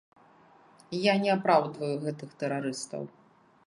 Я не апраўдваю гэтых тэрарыстаў.